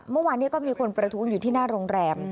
เมื่อวานนี้ก็มีคนประท้วงอยู่ที่หน้าโรงแรม